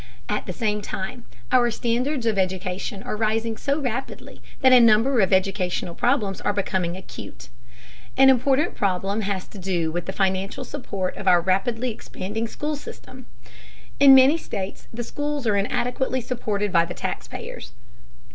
At the same time, our standards of education are rising so rapidly that a number of educational problems are becoming acute. An important problem has to do with the financial support of our rapidly expanding school system. In many states the schools are inadequately supported by the tax payers.